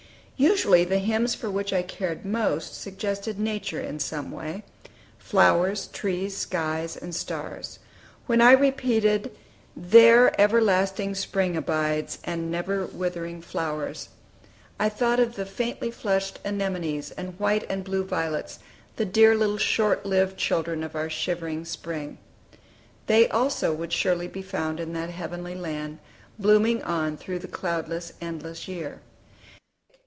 Usually, the hymns for which I cared most suggested Nature in some way, flowers, trees, skies, and stars. When I repeated, "There everlasting spring abides, And never withering flowers," I thought of the faintly flushed anemones and white and blue violets, the dear little short lived children of our shivering spring. They also would surely be found in that heavenly land, blooming on through the cloudless, endless year.